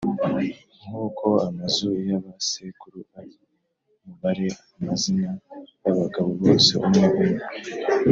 nk’uko amazu ya ba sekuru ari, mubare amazina y’abagabo bose umwe umwe